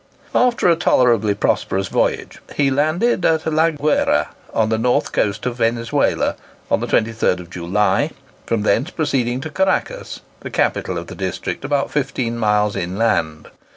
After a tolerably prosperous voyage he landed at La Guayra, on the north coast of Venezuela, on the 23rd July, from thence proceeding to Caraccas, the capital of the district, about 15 miles inland.